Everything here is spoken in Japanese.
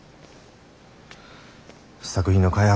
試作品の開発